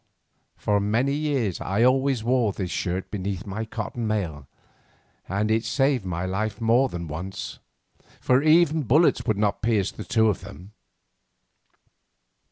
For many years I always wore this shirt beneath my cotton mail, and it saved my life more than once, for even bullets would not pierce the two of them.